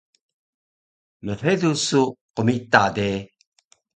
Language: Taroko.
mhedu su qmita de